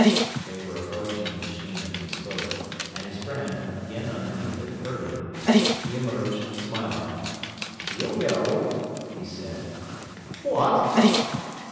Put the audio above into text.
They were approaching the machine as he spoke, and his friend, again underneath it, heard him. He emerged, smiling. "She'll go," he said. "What!"